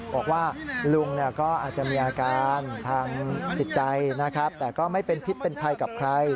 บอกว่าลุงก็อาจจะมีอาการทางจิตใจนะครับแต่ก็ไม่เป็นพิษเป็นภัยกับใคร